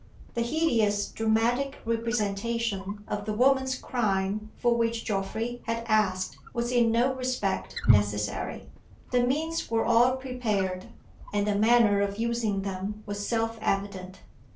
The hideous dramatic representation of the woman's crime for which Geoffrey had asked was in no respect necessary: the means were all prepared, and the manner of using them was self evident.